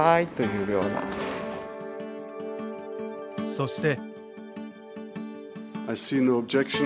そして。